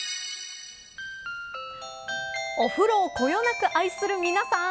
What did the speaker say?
お風呂をこよなく愛する皆さん